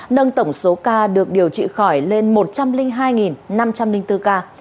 nâng tổng số ca được điều trị khỏi lên một trăm linh hai năm trăm linh bốn ca